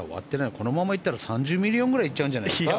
このままいったら３０ミリオンくらい行っちゃうんじゃないですか。